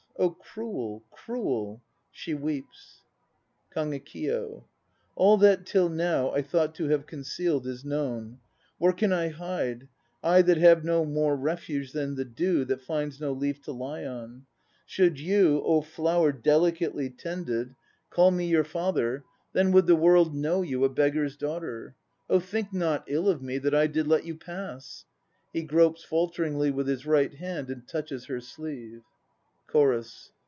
Oh cruel, cruel! (She weeps.) KAGEKIYO. All that till now I thought to have concealed Is known; where can I hide, I that have no more refuge than the dew That finds no leaf to lie on? Should you, oh flower delicately tended, 96 THE NO PLAYS OF JAPAN Call me your father, then would the World know you A beggar's daughter. Oh think not ill of me That I did let you pass! (He gropes falteringly with his right hand and touches her sleeve.) CHORUS.